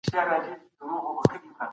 که مطالعه وي، نو ټولنه به په حقيقت پوه سي.